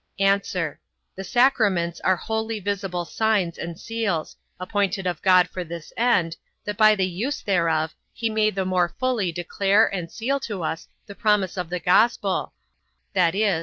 A. The sacraments are holy visible signs and seals, appointed of God for this end, that by the use thereof, he may the more fully declare and seal to us the promise of the gospel, viz.